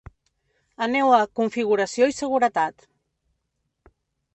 Aneu a ‘Configuració i seguretat’.